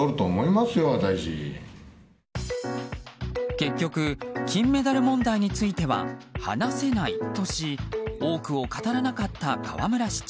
結局、金メダル問題については話せないとし多くを語らなかった河村市長。